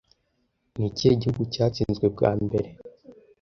Ni ikihe gihugu cyatsinzwe bwa mbere